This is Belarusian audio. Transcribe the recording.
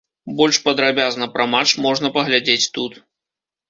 Больш падрабязна пра матч можна паглядзець тут.